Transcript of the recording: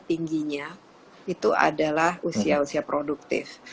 tingginya itu adalah usia usia produktif